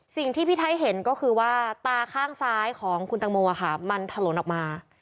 สิ่งที่พี่ไทยเห็นก็คือว่าตาข้างซ้ายของคุณตังโมค่ะมันถลนออกมา